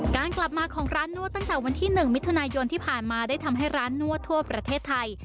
การกลับมาของร้านนวดตั้งแต่วันที่๑มิถุนายนที่ผ่านมาได้ทำให้ร้านนวดทั่วประเทศไทย